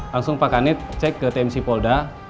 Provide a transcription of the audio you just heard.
langsung pak kanit cek ke tmc polda